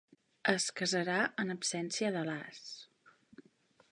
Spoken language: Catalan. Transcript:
Es casarà en absència de l'as.